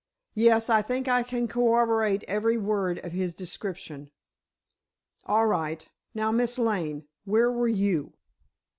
"Yes, I think I can corroborate every word of his description." "All right. Now, Miss Lane, where were you?"